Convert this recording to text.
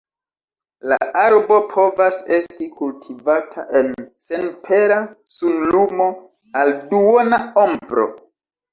La arbo povas esti kultivata en senpera sunlumo al duona ombro.